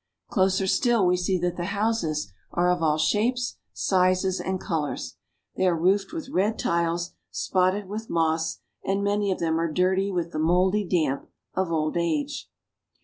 Closer still, we see that the houses are of all shapes, sizes, and colors. They are roofed with red tiles, spotted with moss, and many of them are dirty with the moldy damp of old age.